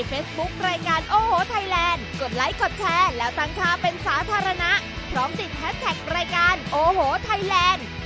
พร้อมติดแฮสแท็กรายการโอโฮไทยแลนด์